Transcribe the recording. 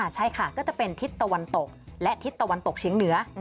ใช่ค่ะก็จะเป็นทิศตะวันตกและทิศตะวันตกเฉียงเหนือ